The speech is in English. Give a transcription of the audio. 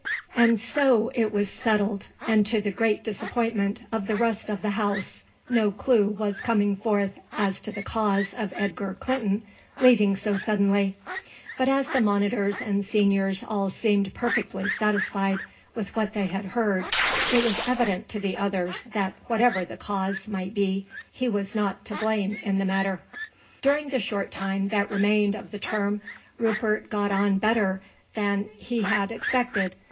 And so it was settled, and to the great disappointment of the rest of the house no clue was forthcoming as to the cause of Edgar Clinton leaving so suddenly; but as the monitors and seniors all seemed perfectly satisfied with what they had heard, it was evident to the others that whatever the cause might be he was not to blame in the matter. During the short time that remained of the term Rupert got on better than he had expected.